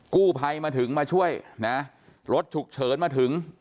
กู้ภัยมาถึงมาช่วยนะรถฉุกเฉินมาถึง